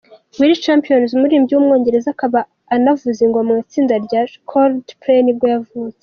Will Champion, umuririmbyi w’umwongereza, akaba anavuza ingoma mu itsinda rya Coldplay nibwo yavutse.